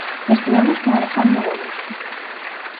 Estivemos con Alejandro Gómez.